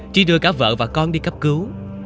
trí đưa cả vợ và con đi cấp cứu